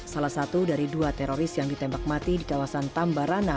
salah satu dari dua teroris yang ditembak mati di kawasan tambarana